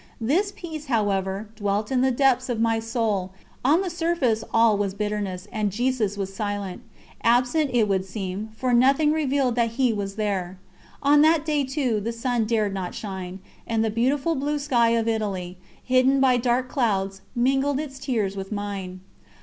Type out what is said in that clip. This peace, however, dwelt in the depths of my soul on the surface all was bitterness; and Jesus was silent absent it would seem, for nothing revealed that He was there. On that day, too, the sun dared not shine, and the beautiful blue sky of Italy, hidden by dark clouds, mingled its tears with mine.